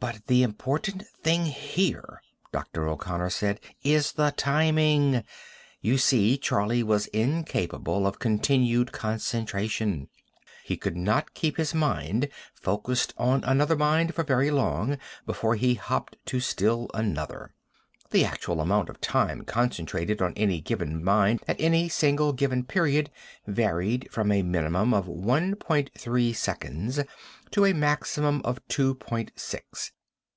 "But the important thing here," Dr. O'Connor said, "is the timing. You see, Charlie was incapable of continued concentration. He could not keep his mind focused on another mind for very long, before he hopped to still another. The actual amount of time concentrated on any given mind at any single given period varied from a minimum of one point three seconds to a maximum of two point six.